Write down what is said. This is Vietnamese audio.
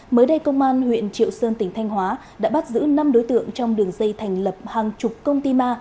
mới đây công an huyện triệu sơn tỉnh thanh hóa đã bắt giữ năm đối tượng trong đường dây thành lập hàng chục công ty ma